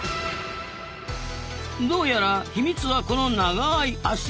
どうやら秘密はこの長い足の指。